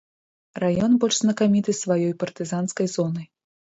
Раён больш знакаміты сваёй партызанскай зонай.